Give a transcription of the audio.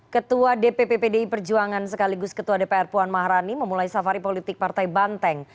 ketua dpp pdi perjuangan sekaligus ketua dpr puan maharani memulai safari politik partai banteng